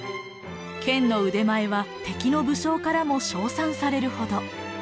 剣の腕前は敵の武将からも称賛されるほど。